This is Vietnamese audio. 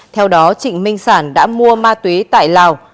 theo đó trịnh minh sản đã mua ma túy tại lào